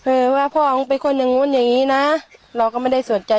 เออว่าพ่อมึงเป็นคนอย่างนู้นอย่างงี้นะเราก็ไม่ได้สนใจ